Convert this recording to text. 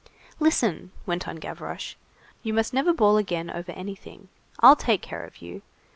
"Listen," went on Gavroche, "you must never bawl again over anything. I'll take care of you.